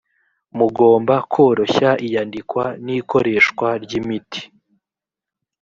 mugomba koroshya iyandikwa n’ikoreshwa ry’imiti.